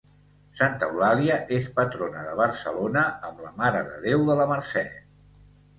Santa Eulàlia és patrona de Barcelona amb la Mare de Déu de la Mercè.